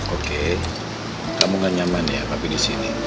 oke kamu gak nyaman ya tapi di sini